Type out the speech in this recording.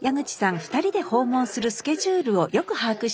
２人で訪問するスケジュールをよく把握しています。